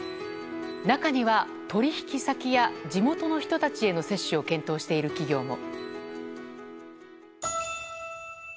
中には、取引先や地元の人たちへの接種を検討している企業も。